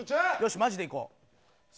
マジでいこう。